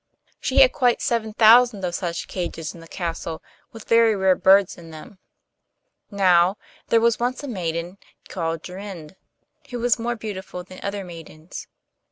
She had quite seven thousand of such cages in the castle with very rare birds in them. Now, there was once a maiden called Jorinde, who was more beautiful than other maidens.